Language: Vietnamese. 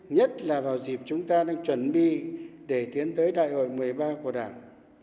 nhất là vào dịp chúng ta đang chuẩn bị để tiến tới đại hội một mươi ba của đảng